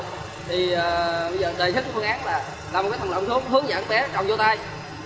thì bây giờ đề thức của phương án là làm một thần lộng xuống hướng dẫn bé trồng vô tay